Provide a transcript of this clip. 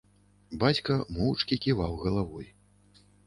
Бацька моўчкі ківаў галавой.